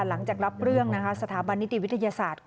หลังจากรับเรื่องสถาบันนิติวิทยาศาสตร์